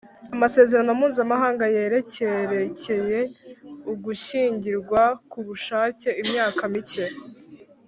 Amasezerano mpuzamahanga yerekerekeye ugushyingirwa ku bushake imyaka mike